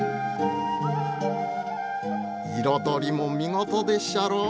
彩りも見事でっしゃろ。